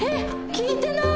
聞いてない！